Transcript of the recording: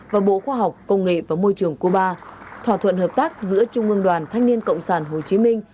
và bộ khoa học công nghệ và môi trường cuba thỏa thuận hợp tác giữa trung ương đoàn thanh niên cộng sản hồ chí minh